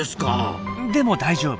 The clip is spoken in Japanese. でも大丈夫。